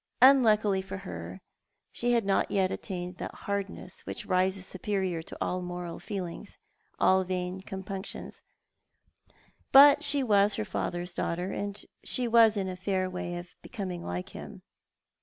Unluckily for her, she had not yet attained that hardness which rises superior to all moral feelings, all vain compunctions; but she was her father's daughter, and she was in a fair way of becoming like him.